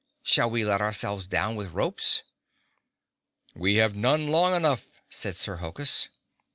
Shall we let ourselves down with ropes?" "We have none long enough," said Sir Hokus.